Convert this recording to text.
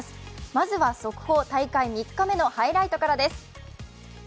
まずは速報、大会３日目のハイライトからです。